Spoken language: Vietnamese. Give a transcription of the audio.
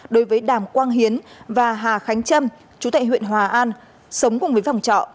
đối với đàm quang hiến và hà khánh trâm chú tại huyện hòa an sống cùng với phòng trọ